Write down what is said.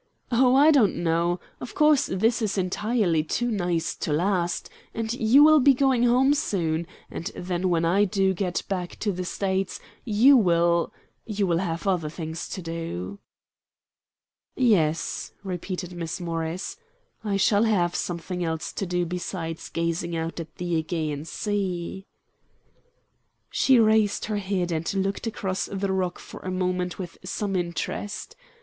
"Oh, I don't know. Of course this is entirely too nice to last, and you will be going home soon, and then when I do get back to the States you will you will have other things to do." "Yes," repeated Miss Morris, "I shall have something else to do besides gazing out at the AEgean Sea." She raised her head and looked across the rock for a moment with some interest.